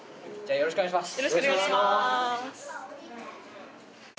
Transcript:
よろしくお願いします。